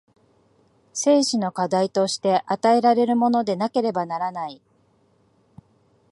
生死の課題として与えられるものでなければならない。